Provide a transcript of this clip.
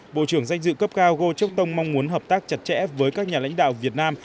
bộ trưởng danh dự cấp cao goh chok tong mong muốn hợp tác chặt chẽ với các nhà lãnh đạo việt nam